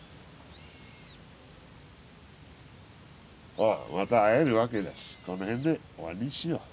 まあまた会えるわけだしこの辺で終わりにしよう。